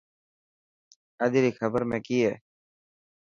اڄ ري خبر ۾ ڪئي هي؟